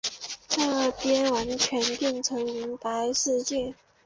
这边完全变成银白世界